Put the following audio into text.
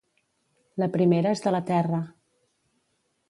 La primera és de la terra.